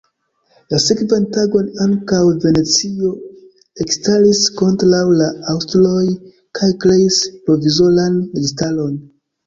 La sekvan tagon ankaŭ Venecio ekstaris kontraŭ la aŭstroj kaj kreis provizoran registaron.